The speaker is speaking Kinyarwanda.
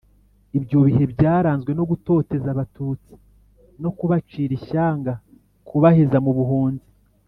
Ibyo bihe byaranzwe no gutoteza abatutsi no kubacira ishyanga kubaheza mu buhunzi